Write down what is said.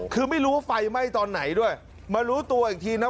คือไม่รู้ว่าไฟไหม้ตอนไหนด้วยมารู้ตัวอีกทีนะ